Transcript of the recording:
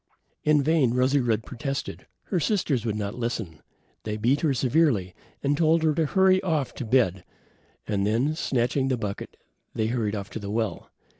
In vain Rosy red protested. Her sisters would not listen. They beat her severely, told her to hurry off to bed, and then, snatching the bucket, they hurried off to the well.